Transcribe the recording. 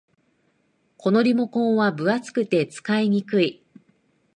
このリモコンは分厚くて使いにくい